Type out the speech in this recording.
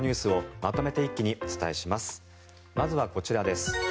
まずはこちらです。